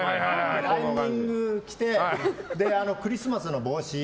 ランニング着てクリスマスの帽子。